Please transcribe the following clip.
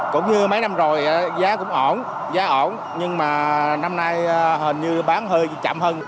cũng như mấy năm rồi giá cũng ổn giá ổn nhưng mà năm nay hình như bán hơi chậm hơn